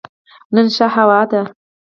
نن ښه هوا ده